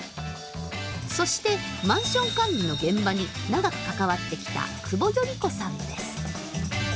そしてマンション管理の現場に長く関わってきた久保依子さんです。